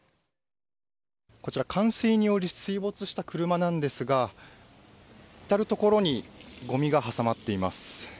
こちら、冠水により水没した車なんですが至る所にごみが挟まっています。